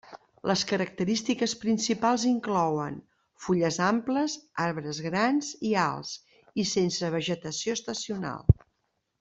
Les característiques principals inclouen: fulles amples, arbres grans i alts i sense vegetació estacional.